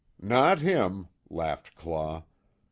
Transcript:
"Not him," laughed Claw.